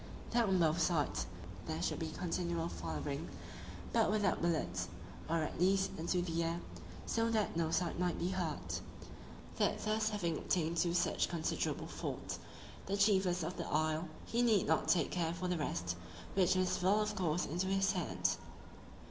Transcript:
That on both sides there should be continual firing, but without bullets, or at least into the air, so that no side might be hurt. That thus having obtained two such considerable forts, the chiefest of the isle, he need not take care for the rest, which must fall of course into his hands.